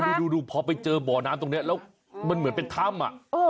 ดูพอไปเจอบ่อน้ำตรงนี้แล้วมันเหมือนเป็นถ้ำ